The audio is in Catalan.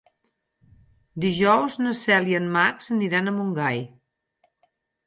Dijous na Cel i en Max aniran a Montgai.